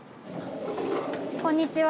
こんにちは。